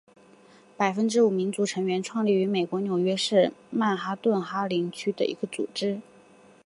百分之五民族成员创立于美国纽约市曼哈顿哈林区的一个组织。